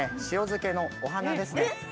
塩漬けのお花ですね